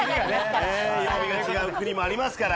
違う国もありますから。